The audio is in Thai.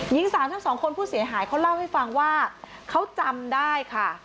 หญิงสาวทั้งสองคนผู้เสียหายเขาเล่าให้ฟังว่าเขาจำได้ค่ะ